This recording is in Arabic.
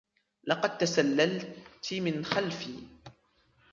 لقد تسللت من خلفي.